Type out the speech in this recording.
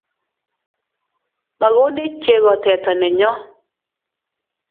Magonech chego teta nenyo